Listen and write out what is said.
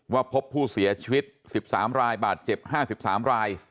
พบผู้เสียชีวิต๑๓รายบาดเจ็บ๕๓ราย